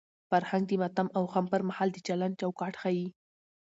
فرهنګ د ماتم او غم پر مهال د چلند چوکاټ ښيي.